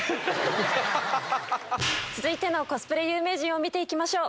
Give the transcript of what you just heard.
続いてのコスプレ有名人を見ていきましょう。